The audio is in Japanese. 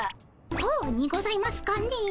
こうにございますかね。